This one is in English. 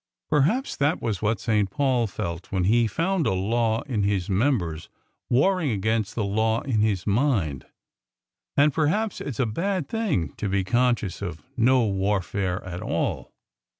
"Perhaps that was what St. Paul felt when he found a law in his members warring against the law in his mind. And perhaps it's a bad thing to be conscious of no warfare at all."